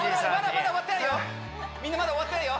まだまだ終わってないよ！